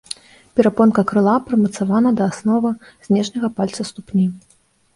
Перапонка крыла прымацавана да асновы знешняга пальца ступні.